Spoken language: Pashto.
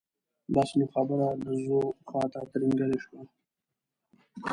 بس نو خبره د ځو خواته ترینګلې شوه.